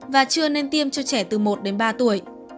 và chưa nên tiêm cho trẻ từ một đến ba tuổi